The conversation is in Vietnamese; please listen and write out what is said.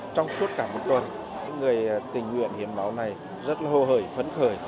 trong suốt cả một tuần những người tình nguyện hiến máu này rất là hô hởi phấn khởi